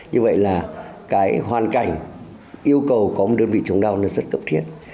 như vậy là cái hoàn cảnh yêu cầu có một đơn vị chống đau rất cấp thiết